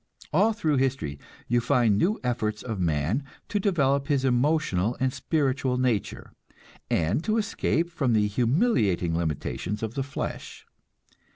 All through history you find new efforts of man to develop his emotional and spiritual nature, and to escape from the humiliating limitations of the flesh.